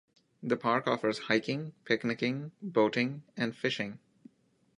The park offers hiking, picnicking, boating, and fishing.